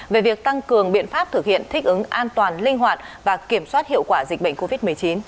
về việc tăng cường biện pháp thực hiện thích ứng an toàn linh hoạt và kiểm soát hiệu quả dịch bệnh covid một mươi chín